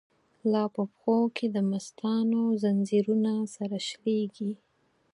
لا په پښو کی دمستانو، ځنځیرونه سره شلیږی